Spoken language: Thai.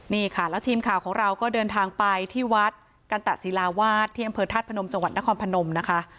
นี่ค่ะแล้วทีมข่าวของเราก็เดินทางไปที่วัดกันตะศิลาวาสที่อำเภอธาตุพนมจังหวัดนครพนมนะคะ